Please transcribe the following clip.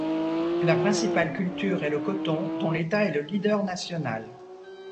La principale culture est le coton dont l'État est le leader national.